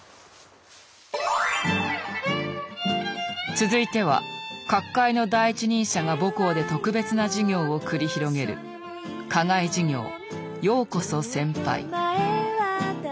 続いては各界の第一人者が母校で特別な授業を繰り広げる「課外授業ようこそ先輩」。